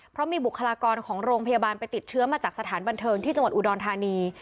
เพราะมีบุคลากรของโรงพยาบาลไปติดเชื้อมาจากสถานบันเทิงที่จังหวัดอุดรธานี